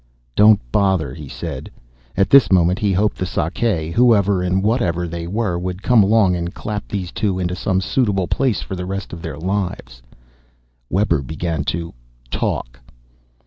"Don't bother," he said. At this moment he hoped the Sakae, whoever and whatever they were, would come along and clap these two into some suitable place for the rest of their lives. Webber began to "talk".